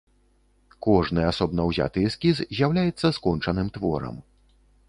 Кожны асобна ўзяты эскіз з'яўляецца скончаным творам.